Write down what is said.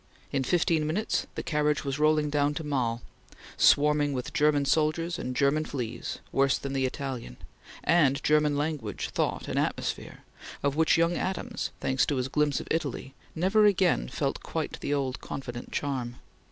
In fifteen minutes the carriage was rolling down to Mals, swarming with German soldiers and German fleas, worse than the Italian; and German language, thought, and atmosphere, of which young Adams, thanks to his glimpse of Italy, never again felt quite the old confident charm.